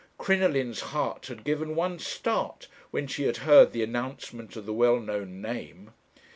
Crinoline's heart had given one start when she had heard the announcement of the well known name.